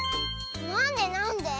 なんでなんで？